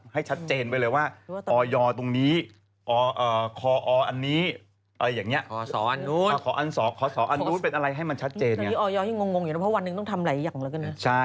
ให้ชัดเจนไปเลยว่า